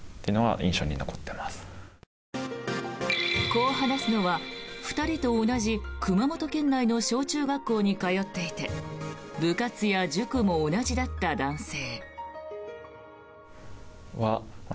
こう話すのは２人と同じ熊本県内の小中学校に通っていて部活や塾も同じだった男性。